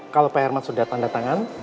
kalau pak herman sudah tanda tangan